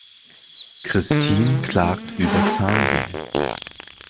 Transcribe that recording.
Christin klagt über Zahnweh.